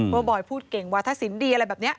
ว่าบอยพูดเก่งวัฒนศิลป์ดีอะไรแบบนี้